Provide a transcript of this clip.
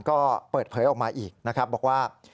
ก็เปิดเผยออกมาอีกบอกว่า